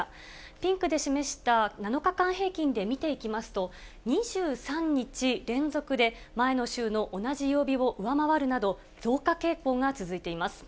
ピンクで示した７日間平均で見ていきますと、２３日連続で前の週の同じ曜日を上回るなど、増加傾向が続いています。